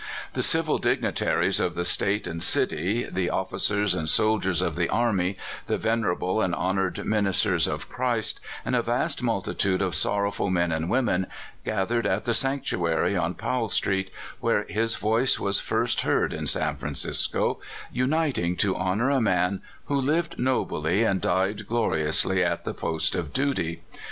The civil dignitaries of the State and city, the offi cers and soldiers of the army, the venerable and honored ministers of Christ, and a vast multitude of sorrowful men and women, gathered at the sanctu ary on Powell street, where his voice was first heard in San Francisco, uniting to honor a man who lived nobly and died gloriously at the post of duty.